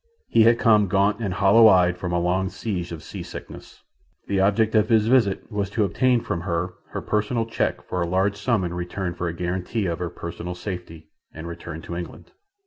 He had come gaunt and hollow eyed from a long siege of sea sickness. The object of his visit was to obtain from her her personal cheque for a large sum in return for a guarantee of her personal safety and return to England.